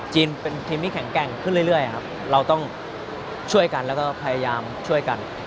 เป็นทีมที่แข็งแกร่งขึ้นเรื่อยครับเราต้องช่วยกันแล้วก็พยายามช่วยกัน